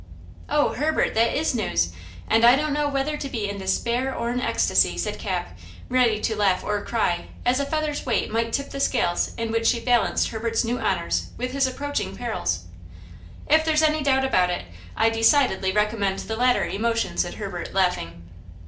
"Oh, Herbert, that is news, and I don't know whether to be in despair or in ecstasy!" said Cap, ready to laugh or cry, as a feather's weight might tip the scales in which she balanced Herbert's new honors with his approaching perils. "If there's any doubt about it, I decidedly recommend the latter emotion," said Herbert, laughing.